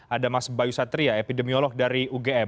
ada mas bayu satria epidemiolog dari ugm